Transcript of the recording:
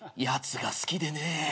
やつが好きでねえ。